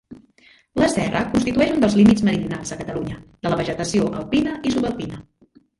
La serra constitueix un dels límits meridionals, a Catalunya, de la vegetació alpina i subalpina.